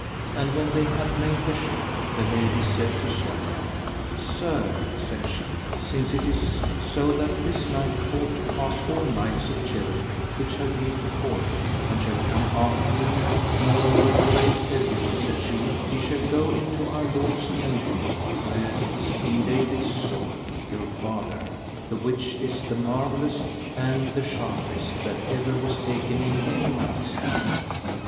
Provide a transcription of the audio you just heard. And when they had made the ship the lady said to Solomon: Sir, said she, since it is so that this knight ought to pass all knights of chivalry which have been to fore him and shall come after him, moreover I shall tell you, said she, ye shall go into Our Lord's temple, where is King David's sword, your father, the which is the marvelloust and the sharpest that ever was taken in any knight's hand.